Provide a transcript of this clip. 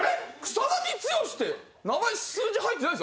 草剛って名前数字入ってないぞ。